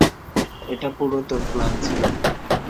এটা পুরো তোর প্লান ছিল।